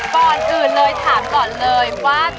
ก่อนอื่นเลยถามก่อนเลยว่า